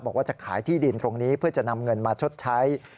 บอกว่าจะขายที่ดินตรงนี้เพื่อจะนำเงินมาชดใช้